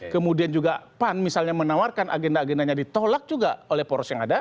kemudian juga pan misalnya menawarkan agenda agendanya ditolak juga oleh poros yang ada